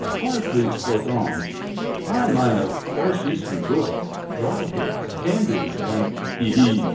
Horacles spoke on. " Fine line of fresh East em goods, dry goods, candies, and — hee hee